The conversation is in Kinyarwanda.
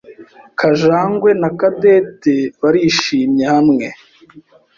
Kajangwe Na Cadette barishimye hamwe.